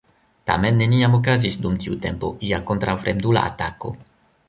Tamen neniam okazis dum tiu tempo ia kontraŭfremdula atako.